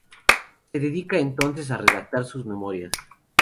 Se dedica entonces a redactar sus Memorias.